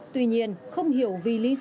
tuy nhiên không hiểu vì lý do gì